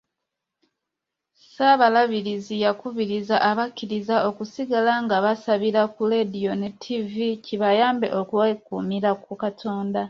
Ssaabalabirizi yakubirizza abakkiriza okusigala nga basabira ku leediyo ne ttivvi kibayambeko okwekuumira ku Katonda.